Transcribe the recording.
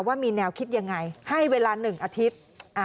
ว่ามีแนวคิดยังไงให้เวลา๑อาทิตย์